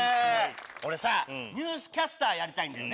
俺さ、ニュースキャスターやりたいんだよね。